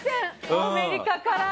アメリカから！